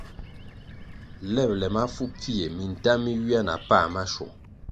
Lebʼle mafu pfie, minta mi ywia na pa maschwong.